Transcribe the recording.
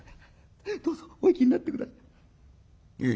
「どうぞお行きになって下さい」。